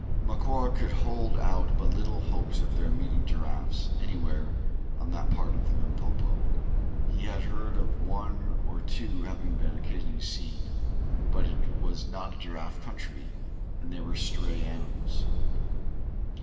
Macora could hold out but little hopes of their meeting giraffes anywhere on that part of the Limpopo. He had heard of one or two having been occasionally seen; but it was not a giraffe country, and they were stray animals.